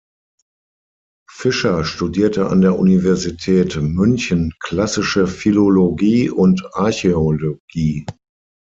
Fischer studierte an der Universität München klassische Philologie und Archäologie.